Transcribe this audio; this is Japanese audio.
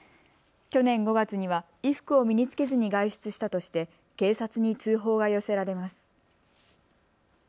去年５月には衣服を身に着けずに外出したとして警察に通報が寄せられます。